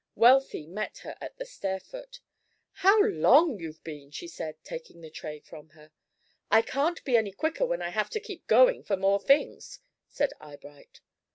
Wealthy met her at the stair foot. "How long you've been!" she said, taking the tray from her. "I can't be any quicker when I have to keep going for more things," said Eyebright.